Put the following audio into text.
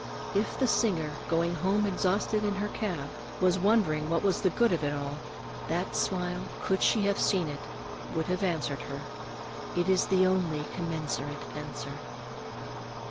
If the singer, going home exhausted in her cab, was wondering what was the good of it all, that smile, could she have seen it, would have answered her. It is the only commensurate answer.